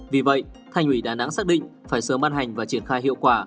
vì vậy thanh ủy đà nẵng xác định phải sớm bắt hành và triển khai hiệu quả